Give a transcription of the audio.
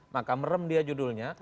maka merem dia judulnya